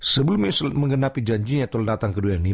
sebelum yesus mengenapi janjinya telah datang ke dunia ini